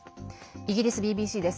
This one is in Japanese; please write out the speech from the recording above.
イギリスＢＢＣです。